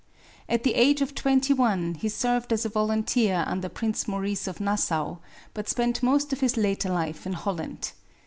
At the age of twenty one he served as a volunteer under Prince Maurice of Nassau, but spent most of his later life in Holland.